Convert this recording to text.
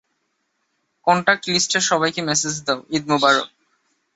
Contact লিস্টের সবাইকে message দাও, ঈদ মোবারক।